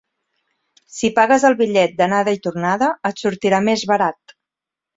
Si pagues el bitllet d'anada i tornada, et sortirà més barat.